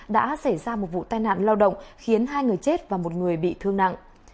đã xảy ra một vụ tai nạn lao động khiến hai người chết và một người bị thương nặng